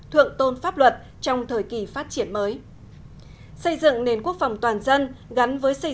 thượng tôn pháp luật trong thời kỳ phát triển mới xây dựng nền quốc phòng toàn dân gắn với xây